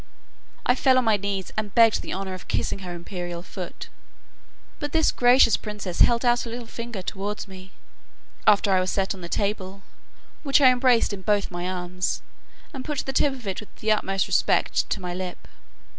I fell on my knees, and begged the honour of kissing her imperial foot; but this gracious princess held out her little finger towards me, after I was set on the table, which I embraced in both my arms, and put the tip of it with the utmost respect to my lip.